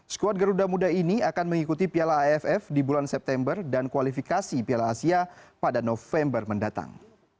skuad garuda muda ini akan mengikuti piala aff di bulan september dan kualifikasi piala asia pada november mendatang